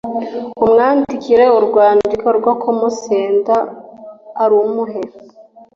amwandikire urwandiko rwo kumusenda arumuhe